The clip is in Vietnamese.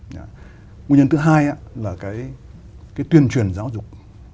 nguyên nhân thứ hai là cái tuyên truyền giáo dục